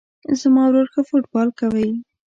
زما ورور ښه فوټبال کوی